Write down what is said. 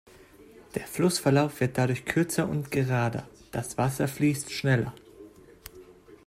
Der Flussverlauf wird dadurch kürzer und gerader; das Wasser fließt schneller.